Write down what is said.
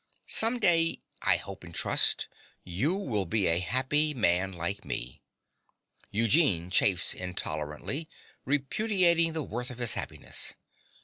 Some day, I hope and trust, you will be a happy man like me. (Eugene chafes intolerantly, repudiating the worth of his happiness.